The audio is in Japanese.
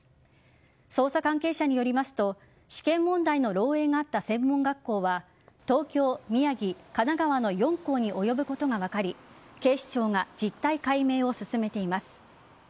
捜査関係者によりますと試験問題の漏えいがあった専門学校は東京、宮城、神奈川の４校に及ぶことが分かり警視庁が実態解明を進めています。